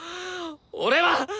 俺は！